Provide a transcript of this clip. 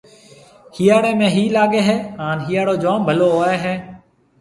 هِاڙي ۾ هِي لاگي هيَ هانَ هِاڙو جوم ڀلو هوئي هيَ۔